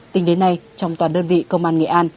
tính đến nay trong toàn đơn vị công an nghệ an